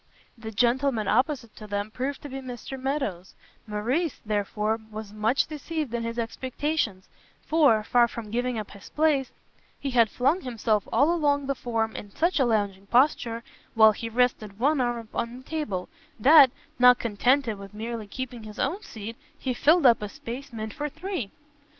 The gentleman opposite to them proved to be Mr Meadows: Morrice, therefore, was much deceived in his expectations, for, far from giving up his place, he had flung himself all along upon the form in such a lounging posture, while he rested one arm upon the table, that, not contented with merely keeping his own seat, he filled up a space meant for three.